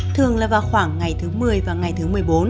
thường là vào khoảng ngày thứ một mươi và ngày thứ một mươi bốn